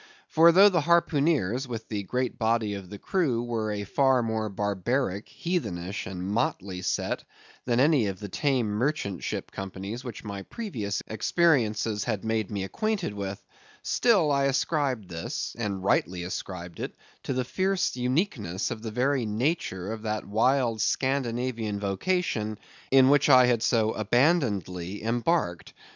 For though the harpooneers, with the great body of the crew, were a far more barbaric, heathenish, and motley set than any of the tame merchant ship companies which my previous experiences had made me acquainted with, still I ascribed this—and rightly ascribed it—to the fierce uniqueness of the very nature of that wild Scandinavian vocation in which I had so abandonedly embarked.